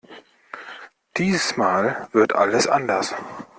Diesmal wird alles anders!